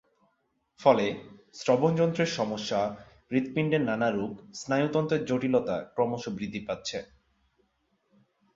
ফলে শ্রবণযন্ত্রের সমস্যা, হৃদপিন্ডের নানা রোগ, স্নায়ুতন্ত্রের জটিলতা ক্রমশ বৃদ্ধি পাচ্ছে।